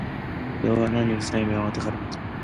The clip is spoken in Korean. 여호와 하나님이 그 사람에게 명하여 가라사대